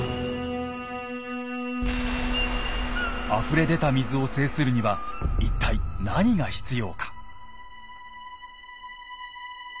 あふれ出た水を制するには一体何が必要か。